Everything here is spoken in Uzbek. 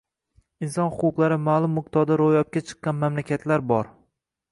inson huquqlari ma’lum miqdorda ro‘yobga chiqqan mamlakatlar bor.